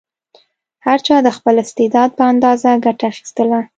هر چا د خپل استعداد په اندازه ګټه اخیستله.